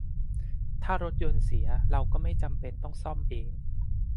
ถ้ารถยนต์เสีย เราก็ไม่จำเป็นต้องซ่อมเอง